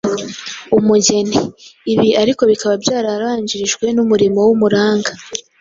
umugeni. Ibi ariko bikaba byarabanjirijwe n’umurimo w’umuranga